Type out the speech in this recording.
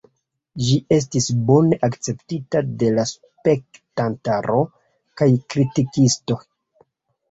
Ĝi estis bone akceptita de la spektantaro kaj kritikistoj.